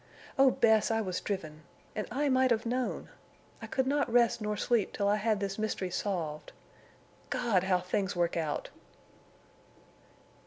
Oh, Bess, I was driven! And I might have known! I could not rest nor sleep till I had this mystery solved. God! how things work out!"